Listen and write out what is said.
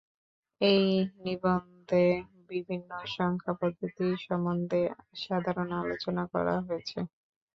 এই নিবন্ধে বিভিন্ন সংখ্যা পদ্ধতি সম্বন্ধে সাধারণ আলোচনা করা হয়েছে।